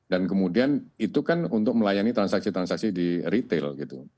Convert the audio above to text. dan kemudian itu kan untuk melayani transaksi transaksi di retail gitu